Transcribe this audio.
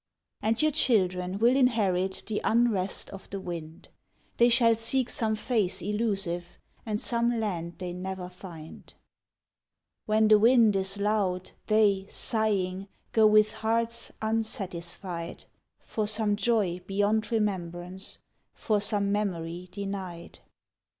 And your children will inherit The unrest of the wind, They shall seek some face elusive. And some land they never find. When the wind is loud, they sighing Go with hearts unsatisfied, For some joy beyond remembrance. For some memory denied.